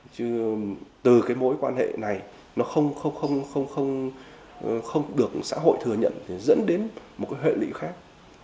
chứ từ cái mối quan hệ này nó không được xã hội thừa nhận thì dẫn đến một cái hệ lụy khác